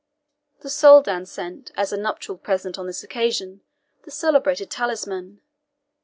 The Soldan sent, as a nuptial present on this occasion, the celebrated TALISMAN.